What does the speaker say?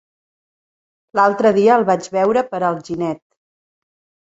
L'altre dia el vaig veure per Alginet.